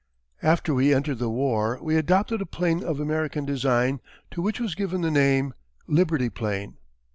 After we entered the war we adopted a 'plane of American design to which was given the name "Liberty plane."